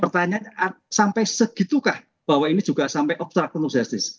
pertanyaannya sampai segitukah bahwa ini juga sampai obstruction of justice